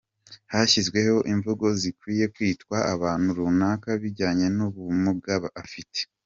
Hashyizweho imvugo zikwiye kwitwa abantu runaka bijyanye n’ubumuga afite .